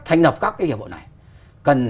thành lập các hiệp vụ này cần